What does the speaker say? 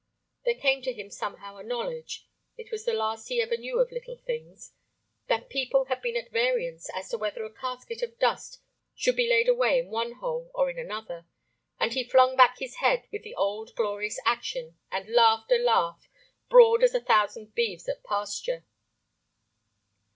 There came to him somehow a knowledge (it was the last he ever knew of little things) that people had been[Pg 13] at variance as to whether a casket of dust should be laid away in one hole or in another, and he flung back his head with the old glorious action, and laughed a laugh "broad as a thousand beeves at pasture."